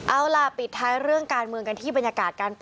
เอาล่ะปิดท้ายเรื่องการเมืองกันที่บรรยากาศการ